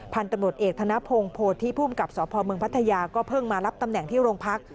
พันธุ์ตำรวจเอกธนพงศ์โพธิภูมิกับสพเมืองพัทยาก็เพิ่งมารับตำแหน่งที่โรงพัก